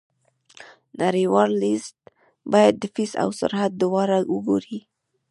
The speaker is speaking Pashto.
نړیوال لیږد باید د فیس او سرعت دواړه وګوري.